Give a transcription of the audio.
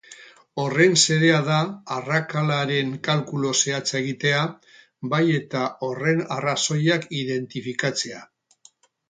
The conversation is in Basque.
Horren xedea da arrakalaren kalkulu zehatza egitea, bai eta horren arrazoiak identifikatzea.